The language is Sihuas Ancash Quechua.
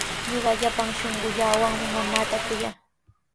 Ñuqa llapan shunquuwanmi mamaata kuyaa.